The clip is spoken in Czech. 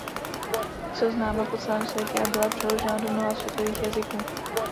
Jsou známa po celém světě a byla přeložena do mnoha světových jazyků.